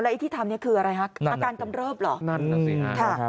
แล้วไอ้ที่ทำเนี่ยคืออะไรฮะอาการกำเริบเหรอ